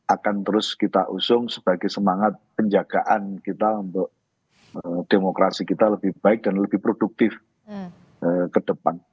akan terus kita usung sebagai semangat penjagaan kita untuk demokrasi kita lebih baik dan lebih produktif ke depan